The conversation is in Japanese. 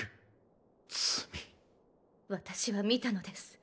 私は見たのです。